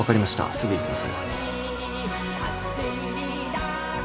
すぐ行きます。